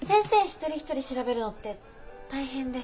一人一人調べるのって大変で。